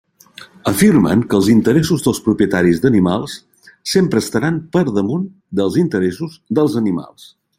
Afirmen que els interessos dels propietaris d'animals sempre estaran per damunt dels interessos dels animals.